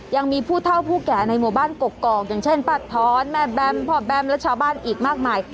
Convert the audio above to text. ยังมีผู้เท่าผู้แก่ในหมู่บ้านกกอกอย่างเช่นป้าท้อนแม่แบมพ่อแบมและชาวบ้านอีกมากมาย